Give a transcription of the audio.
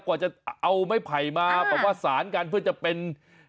กว่าจะเอาไม้ไผ่มาแบบว่าสารกันเพื่อจะเป็น